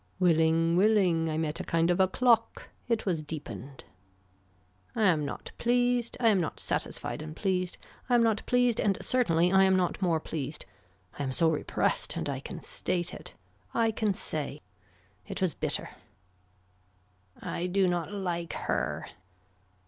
Willing willing, I met a kind of a clock. It was deepened. I am not pleased. I am not satisfied and pleased. I am not pleased and certainly I am not more pleased. I am so repressed and I can state it. I can say. It was bitter. I do not like her.